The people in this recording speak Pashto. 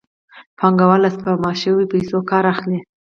پانګوال له سپما شویو پیسو کار اخلي